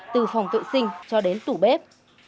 từ phòng tự sinh cho đến tủ bếp